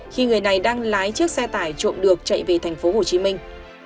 khi người này đang lái chiếc xe tải trộm được chạy về thành phố hồ chí minh